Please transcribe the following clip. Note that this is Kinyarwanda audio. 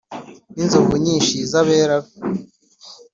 N inzovu nyinshi z abera be